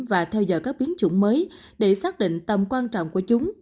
và theo dõi các biến chủng mới để xác định tầm quan trọng của chúng